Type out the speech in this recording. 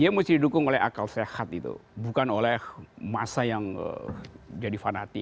iya musti didukung oleh akal sehat itu bukan oleh massa yang jadi fanatik